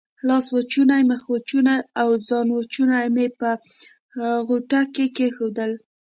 لاسوچونې، مخوچونې او ځانوچونی مې په غوټه کې کېښودل.